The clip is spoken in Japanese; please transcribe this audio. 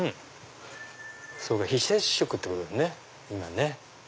そうか非接触ってことですね今ね。